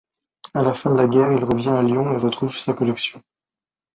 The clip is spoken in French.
À la fin de la guerre, il revient à Lyon et retrouve sa collection.